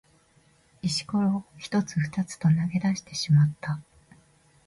石ころを一つ二つと投げ出してしまった。